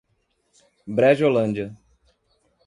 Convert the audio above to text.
Brejolândia